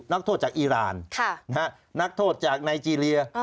นักโทษจากอีรานค่ะนะฮะนักโทษจากไนเกีเรียอ้อ